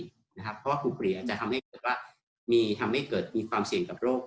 เพราะว่ากลุ่มกลี่อาจจะทำให้เกิดความเสี่ยงกับโรค